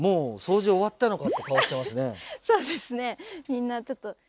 みんなちょっと。